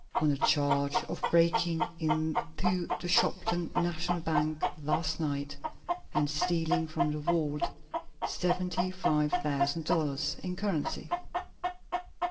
"On a charge of breaking into the Shopton National Bank last night, and stealing from the vault seventy five thousand dollars in currency!"